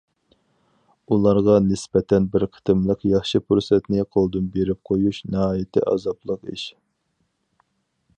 ئۇلارغا نىسبەتەن بىر قېتىملىق ياخشى پۇرسەتنى قولدىن بېرىپ قويۇش ناھايىتى ئازابلىق ئىش.